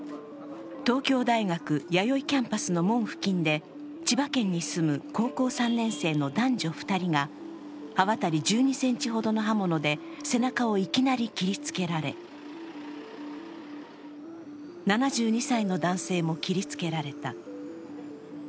東京大学弥生キャンパスの門付近で千葉県に住む高校３年生の男女２人が刃渡り１２ｃｍほどの刃物で背中をいきなり切りつけられ７２歳の男性も切りつけられた。